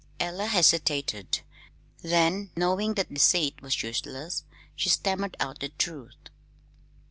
Ella hesitated; then, knowing that deceit was useless, she stammered out the truth.